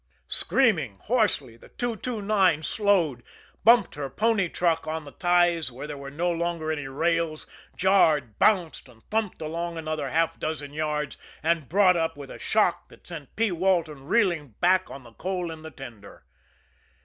Screaming hoarsely, the 229 slowed, bumped her pony truck on the ties where there were no longer any rails jarred, bounced, and thumped along another half dozen yards and brought up with a shock that sent P. Walton reeling back on the coal in the tender.